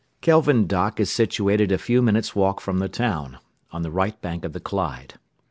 Kelvin Dock is situated a few minutes' walk from the town, on the right bank of the Clyde.